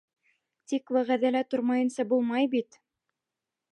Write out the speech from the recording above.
Тик вәғәҙәлә тормайынса булмай бит.